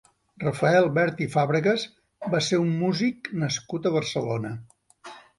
Rafael Bert i Fàbregas va ser un músic nascut a Barcelona.